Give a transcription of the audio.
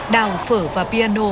đào phở và piano